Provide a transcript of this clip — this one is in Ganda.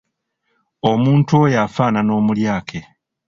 Omuntu oyo afaanana omulyake.